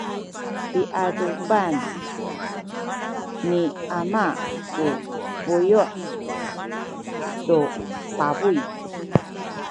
piadupan ni ama ku buyu’ tu pabuy.